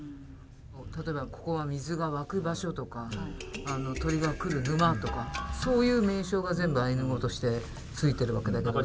例えばここは水が湧く場所とか鳥が来る沼とかそういう名称が全部アイヌ語として付いてるわけだから。